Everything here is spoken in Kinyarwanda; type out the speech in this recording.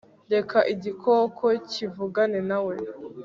Reka igikoko kivugane na we